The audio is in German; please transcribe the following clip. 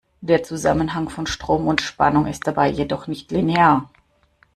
Der Zusammenhang von Strom und Spannung ist dabei jedoch nicht linear.